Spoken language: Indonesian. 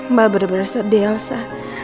mbak bener bener sedih elsa